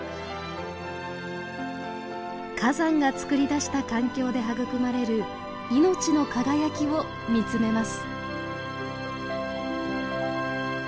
火山がつくり出した環境で育まれる命の輝きを見つめます。